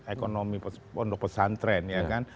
ekonomi pondok pesantren ya kan